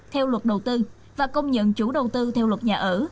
theo luật đầu tư và công nhận chủ đầu tư theo luật nhà ở